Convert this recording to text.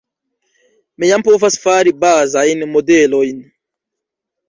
mi jam povas fari bazajn modelojn